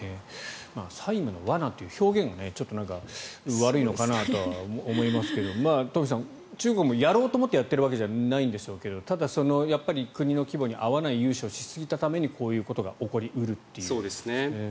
債務の罠という表現がちょっと悪いのかなとは思いますけど東輝さん、中国もやろうと思ってやっているわけじゃないんでしょうけどただ、国の規模に合わない融資をしすぎたためにこういうことが起こり得るということですね。